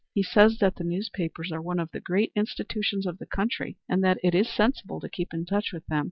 He says that the newspapers are one of the great institutions of the country, and that it is sensible to keep in touch with them.